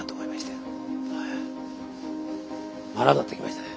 腹立ってきましたね。